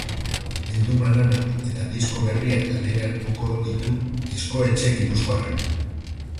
Bilduma-lanak eta disko berriak kaleratuko ditu diskoetxe gipuzkoarrak.